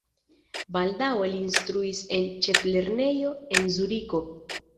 Baldaŭe li instruis en ĉeflernejo en Zuriko.